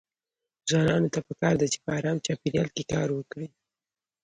ځوانانو ته پکار ده چې په ارام چاپيريال کې کار وکړي.